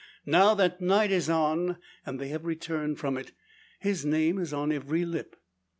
Now that night is on, and they have returned from it, his name is on every lip.